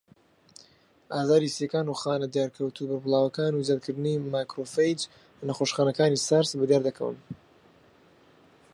ئازاری سییەکان و خانە دیارکەوتوو بەربڵاوەکان و زیادکردنی ماکرۆفەیج لە نەخۆشەکانی سارس بەدیاردەکەون.